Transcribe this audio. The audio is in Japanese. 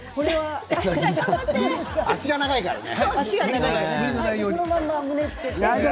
足が長いからね。